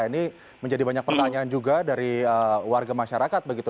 ini menjadi banyak pertanyaan juga dari warga masyarakat begitu